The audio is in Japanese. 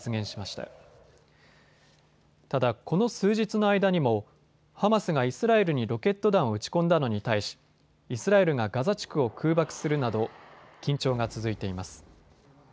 ただ、この数日の間にもハマスがイスラエルにロケット弾を撃ち込んだのに対しイスラエルがガザ地区を空爆するなど緊張が続いています。